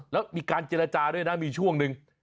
แล้วมีการเจรจาด้วยนะมีช่วงหนึ่ง